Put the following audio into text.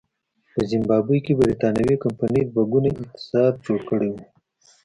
په زیمبابوې کې برېټانوۍ کمپنۍ دوه ګونی اقتصاد جوړ کړی و.